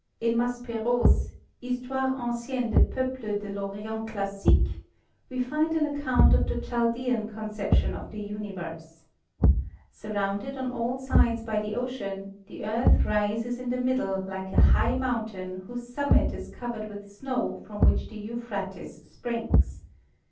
In Maspero's "Histoire Ancienne des Peuples de l'Orient Classique" we find an account of the Chaldean conception of the universe. Surrounded on all sides by the ocean, the Earth rises in the middle like a high mountain whose summit is covered with snow from which the Euphrates springs.